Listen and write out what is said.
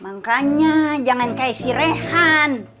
makanya jangan kaya si rehan